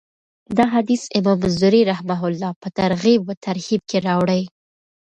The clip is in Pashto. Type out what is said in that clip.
دا حديث امام منذري رحمه الله په الترغيب والترهيب کي راوړی .